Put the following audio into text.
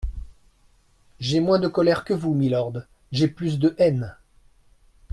J’ai moins de colère que vous, mylord, j’ai plus de haine.